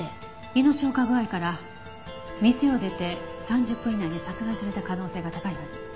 胃の消化具合から店を出て３０分以内に殺害された可能性が高いはず。